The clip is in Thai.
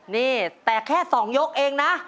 นี่แต่แค่๒ยกเองนะ